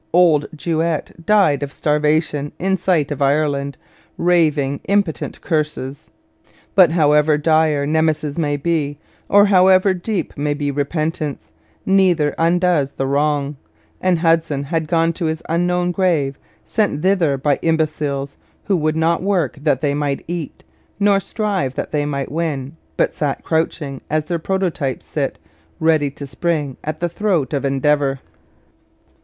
Old Juet died of starvation in sight of Ireland, raving impotent curses. But however dire Nemesis may be, or however deep may be repentance, neither undoes the wrong; and Hudson had gone to his unknown grave, sent thither by imbeciles, who would not work that they might eat, nor strive that they might win, but sat crouching, as their prototypes sit, ready to spring at the throat of Endeavour.